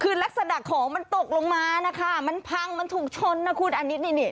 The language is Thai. คือลักษณะของมันตกลงมานะคะมันพังมันถูกชนนะคุณอันนี้นี่